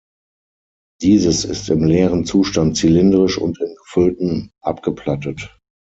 Dieses ist im leeren Zustand zylindrisch und im gefüllten abgeplattet.